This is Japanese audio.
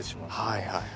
はいはい。